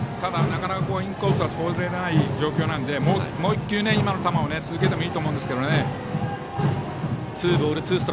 なかなかインコースは投げられない状況なのでもう１球、今の球を続けてもいいと思うんですけどね。